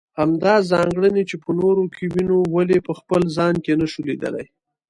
همدا ځانګړنې چې په نورو کې وينو ولې په خپل ځان کې نشو ليدلی.